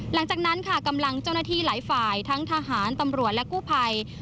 หลังจากนั้นค่ะกำลังเจ้าหน้าที่หลายฝ่ายทั้งทหารตำรวจและกู้ภัย